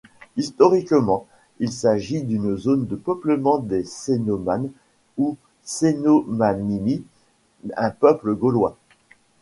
Historiquement il s'agit d'une zone de peuplement des Cénomans, ou cénomanini, un peuple gaulois.